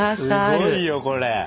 すごいよこれ。